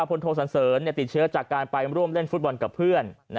พลโทสันเสริญติดเชื้อจากการไปร่วมเล่นฟุตบอลกับเพื่อน